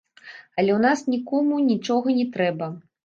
Але ў нас нікому нічога не трэба.